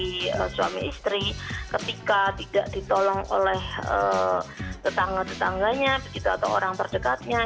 dari suami istri ketika tidak ditolong oleh tetangga tetangganya begitu atau orang terdekatnya